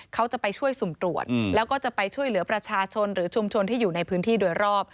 เขาจะไปช่วยสุ่มตรวจแล้วก็จะไปช่วยเหลือประชาชนหรือชุมชนที่อยู่ในพื้นที่โดยรอบ